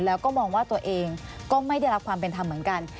แล้วก็มองว่าตัวเองก็ไม่ได้รับความเป็นธรรมเหมือนกัน